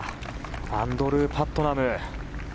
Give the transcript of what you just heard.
アンドルー・パットナム。